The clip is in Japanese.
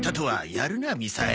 やるなみさえ。